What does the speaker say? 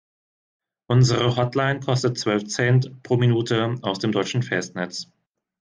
Unsere Hotline kostet zwölf Cent pro Minute aus dem deutschen Festnetz.